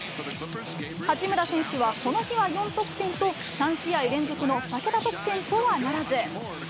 八村選手はこの日は４得点と、３試合連続の２桁得点とはならず。